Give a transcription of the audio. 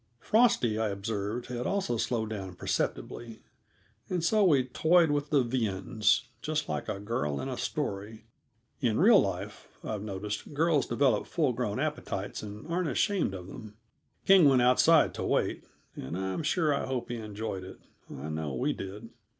Frosty, I observed, had also slowed down perceptibly; and so we "toyed with the viands" just like a girl in a story in real life, I've noticed, girls develop full grown appetites and aren't ashamed of them. King went outside to wait, and I'm sure I hope he enjoyed it; I know we did.